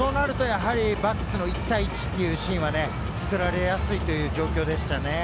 となると、やはりバックスの１対１というシーンは作られやすいという状況でしたね。